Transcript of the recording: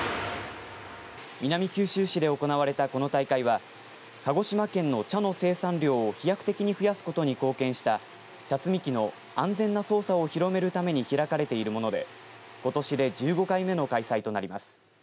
南九州市で行われたこの大会は鹿児島県の茶の生産量を飛躍的に増やすことに貢献した茶摘み機の安全な操作を広めるために開かれているものでことしで１５回目の開催となります。